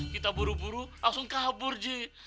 kita buru buru langsung kabur ji